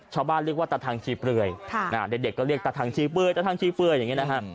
ชาวบ้านเรียกว่าตาทางชีเปลือยเด็กก็เรียกตาทางชีเปื่อยตาทางชี้เฟื่อยอย่างนี้นะฮะ